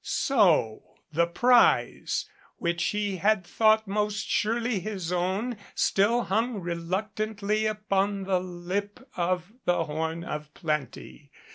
So the prize, which he had thought most surely his own, still hung reluctantly upon the lip of the horn of plenty.